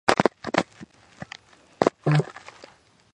დაკრძალულია თბილისში, ვაკის სასაფლაოზე.